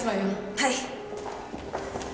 はい！